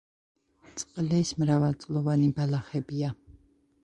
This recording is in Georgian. წყლის მრავალწლოვანი ბალახებია.